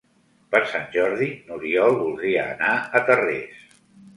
Per Sant Jordi n'Oriol voldria anar a Tarrés.